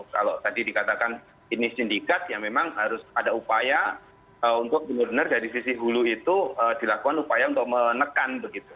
kalau tadi dikatakan ini sindikat ya memang harus ada upaya untuk benar benar dari sisi hulu itu dilakukan upaya untuk menekan begitu